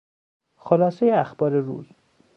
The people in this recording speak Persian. خلاصهی اخبار روز